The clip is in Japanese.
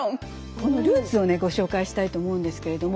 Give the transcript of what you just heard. このルーツをねご紹介したいと思うんですけれども。